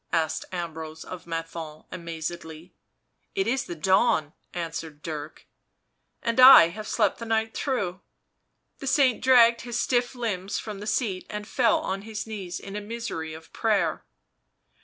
asked Ambrose of Menthon amazedly. "It is the dawn," answered Dirk. " And I have slept the night through." The saint dragged his stiff limbs from the seat and fell on his knees in a misery of prayer.